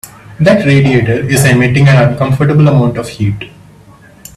That radiator is emitting an uncomfortable amount of heat.